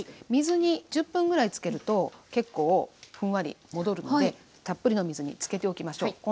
水に１０分ぐらいつけると結構ふんわり戻るのでたっぷりの水につけておきましょう。